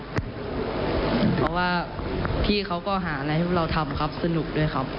เพราะว่าพี่เขาก็หาอะไรให้พวกเราทำครับสนุกด้วยครับ